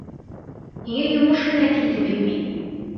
Һиңә йомош менән килдем бит мин.